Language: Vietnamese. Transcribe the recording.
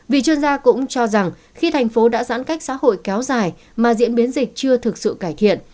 vì chuyên gia cũng cho rằng khi thành phố đã giãn cách xã hội kéo dài mà diễn biến dịch chưa thực sự cải thiện